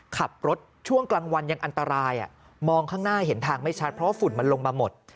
ขับรถช่วงกลางวันยังอันตรายมองข้างหน้าเห็นทางไม่ชัดเพราะว่าฝุ่นมันลงมาหมด